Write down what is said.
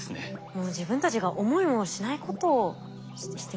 もう自分たちが思いもしないことをしてますね。